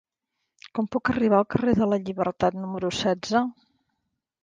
Com puc arribar al carrer de la Llibertat número setze?